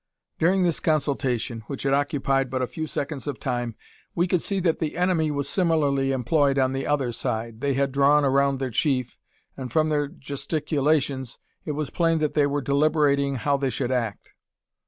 During this consultation, which had occupied but a few seconds of time, we could see that the enemy was similarly employed on the other side. They had drawn around their chief, and from their gesticulations it was plain they were deliberating how they should act.